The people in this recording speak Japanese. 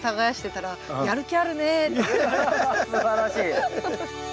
すばらしい。